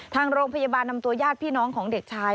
ทางโรงพยาบาลนำตัวญาติพี่น้องของเด็กชาย